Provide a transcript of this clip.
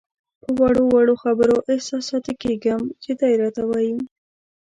په وړو وړو خبرو احساساتي کېږم چې دی راته وایي.